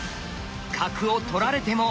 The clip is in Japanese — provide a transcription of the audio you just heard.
角を取られても。